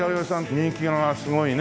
人気がすごいね。